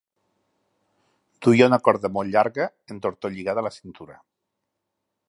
Duia una corda molt llarga entortolligada a la cintura.